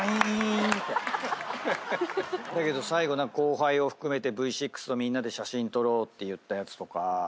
だけど最後後輩を含めてＶ６のみんなで写真撮ろうって言ったやつとか。